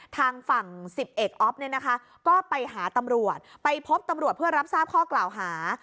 ทางฝั่ง๑๐เอกอ๊อฟเนี่ยนะคะก็ไปหาตำรวจไปพบตำรวจเพื่อรับทราบข้อกล่าวหา